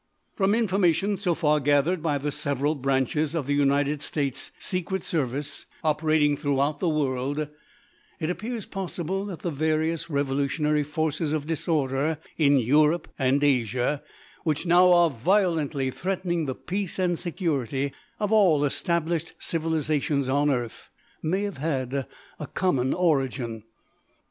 _ "_From information so far gathered by the several branches of the United States Secret Service operating throughout the world, it appears possible that the various revolutionary forces of disorder, in Europe and Asia, which now are violently threatening the peace and security, of all established civilisation on earth, may have had a common origin.